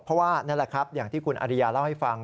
เพราะว่านั่นแหละครับอย่างที่คุณอริยาเล่าให้ฟัง